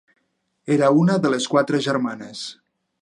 Era una de les quatre germanes.